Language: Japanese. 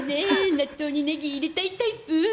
納豆にネギ入れたいタイプ。